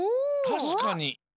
たしかに。